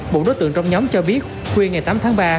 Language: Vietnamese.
một đối tượng trong nhóm cho biết khuya ngày tám tháng ba